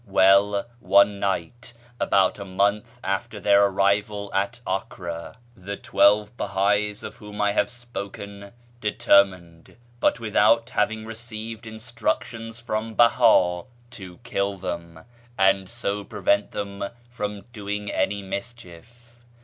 kVell, one night, about a month after their arrival at Acre, 33 514 ^i YEAR AMONGST THE PERSIANS the twelve Behtl'is of wliom I have spoken determined (but without liaving received instructions from Beha) to kill tliem, and so prevent them from doing any mischief.